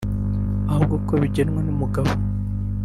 ahubwo ko bigenwa n’umugabo